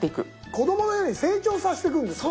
子供のように成長させていくんですね？